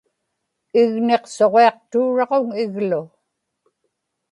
igniqsuġiaqtuuraġuŋ iglu